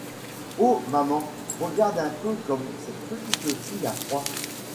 Oh maman, regarde un peu comme cette petite fille a froid !